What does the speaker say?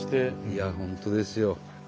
いや本当ですよ。